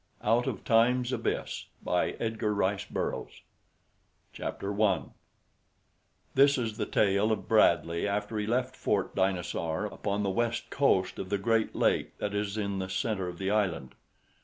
Out of Time's Abyss By Edgar Rice Burroughs Chapter I This is the tale of Bradley after he left Fort Dinosaur upon the west coast of the great lake that is in the center of the island.